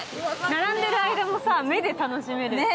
並んでいる間も目で楽しめる。